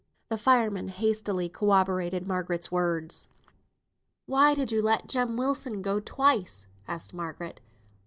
The fireman hastily corroborated Margaret's words. "Why did you let Jem Wilson go twice?" asked Margaret.